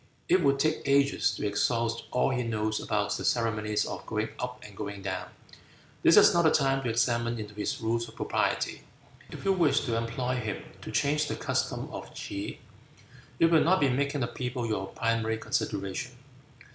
It would take ages to exhaust all he knows about the ceremonies of going up and going down. This is not the time to examine into his rules of propriety. If you wish to employ him to change the customs of T'se, you will not be making the people your primary consideration."